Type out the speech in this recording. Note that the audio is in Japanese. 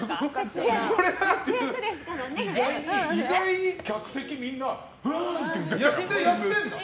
意外に客席みんなうん！って言ってましたよ。